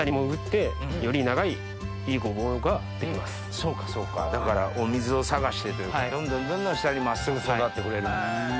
そうかそうかだからお水を探してというかどんどんどんどん下に真っすぐ育ってくれる。